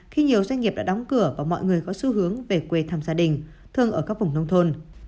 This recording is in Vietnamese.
khi nhiều doanh nghiệp đã đóng cửa và mọi người có xu hướng về quê thăm gia đình thường ở các vùng nông thôn